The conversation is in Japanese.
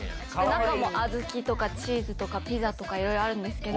中も小豆とかチーズとかピザとかいろいろあるんです。